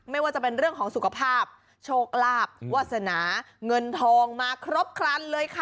ไม่ว่าจะเป็นเรื่องของสุขภาพโชคลาภวาสนาเงินทองมาครบครันเลยค่ะ